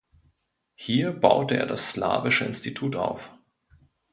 Hier baute er das Slawische Institut auf.